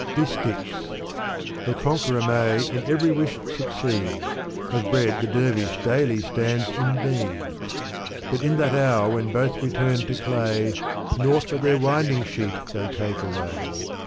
DisUcks. The conqueror may in every wish succeed ; Of bread the dervish daily stands in need ; But in that hour when both return to clay, Naught but their winding sheet they take away.